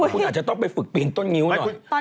คุณอาจจะต้องไปฝึกปีนต้นงิ้วหน่อย